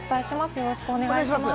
よろしくお願いします。